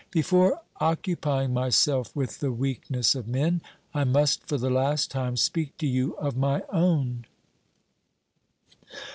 Before occupying myself with the weakness of men, I must for the last time speak to you of my own.